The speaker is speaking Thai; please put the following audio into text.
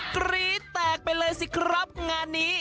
กรี๊ดแตกไปเลยสิครับงานนี้